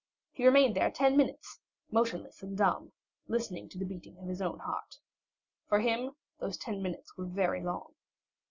He remained there ten minutes, motionless and dumb, listening to the beating of his own heart. For him those ten minutes were very long.